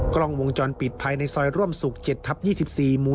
กล้องวงจรปิดภายในซอยร่วมสุข๗ทับ๒๔หมู่